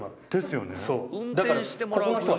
だから。